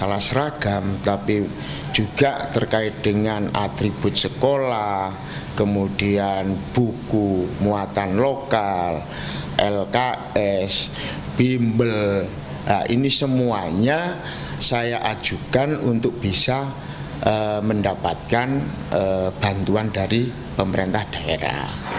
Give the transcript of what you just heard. masalah seragam tapi juga terkait dengan atribut sekolah kemudian buku muatan lokal lks bimbel ini semuanya saya ajukan untuk bisa mendapatkan bantuan dari pemerintah daerah